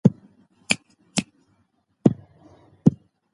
هغه د افغانستان د موقت شتون لپاره دلیل ورکړ.